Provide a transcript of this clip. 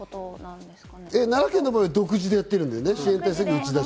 奈良県の場合は独自でやってるんだよね。